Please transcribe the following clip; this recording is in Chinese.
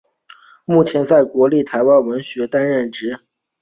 目前在国立台湾文学馆任职。